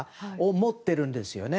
持っているんですよね。